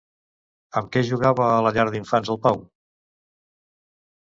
Amb què jugava a la llar d'infants el Pau?